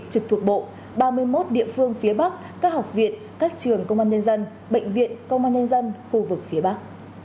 trực thuộc bộ ba mươi một địa phương phía bắc các học viện các trường công an nhân dân bệnh viện công an nhân dân khu vực phía bắc